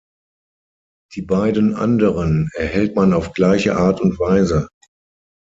Die beiden anderen erhält man auf gleiche Art und Weise.